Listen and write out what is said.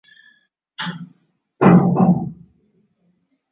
Ngombe kuvimba ngozi inayoninginia maeneo ya kidari ni dalili ya ugonjwa wa mapafu